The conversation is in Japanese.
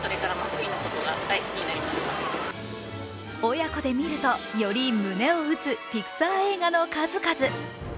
親子で見ると、より胸を打つピクサー映画の数々。